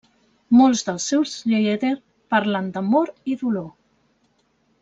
Molts dels seus lieder parlen d'amor i dolor.